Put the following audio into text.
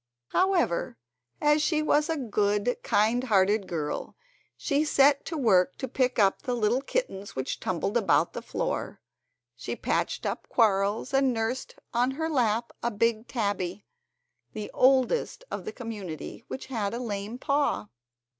However, as she was a good, kindhearted girl, she set to work to pick up the little kittens which tumbled about on the floor, she patched up quarrels, and nursed on her lap a big tabby—the oldest of the community—which had a lame paw.